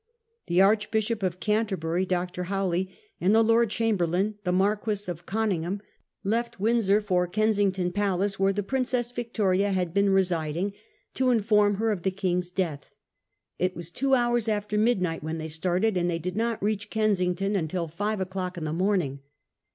The Archbishop of Canterbury, Dr. Howley, and the Lord Chamber lain, the Marquis of Conyngham, left Windsor for 8 A HISTORY OF OUR OWN TIMES. CH. I. Kensington Palace, where the Princess Victoria had been residing, to inform her of the Kong's death. It was two hours after midnight when they started, and they did not reach Kensington until five o'clock in the morning.